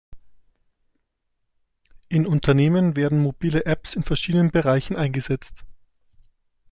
In Unternehmen werden Mobile Apps in verschiedenen Bereichen eingesetzt.